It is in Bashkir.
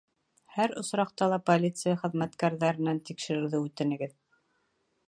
Һәр осраҡта ла полиция хеҙмәткәрҙәренән тикшереүҙе үтенегеҙ.